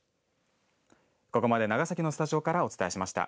ここまで長崎のスタジオからお伝えしました。